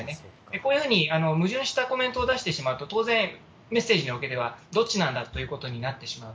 こういうふうに矛盾してコメントを出してしまうと当然、メッセージの受け手は、どっちなんだということになってしまう。